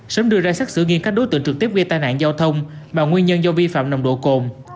sớm đưa ra xác xử nghiêm các đối tượng trực tiếp gây tai nạn giao thông mà nguyên nhân do vi phạm nồng độ cồn